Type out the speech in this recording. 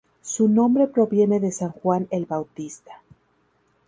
Su nombre proviene de San Juan el Bautista.